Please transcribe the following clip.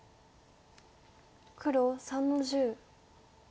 黒３の十。